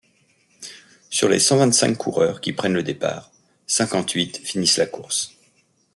Sur les cent-vingt-cinq coureurs qui prennent le départ, cinquante-huit finissent la course.